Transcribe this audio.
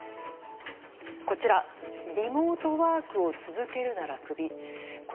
こちらリモートワークを続けるならクビ。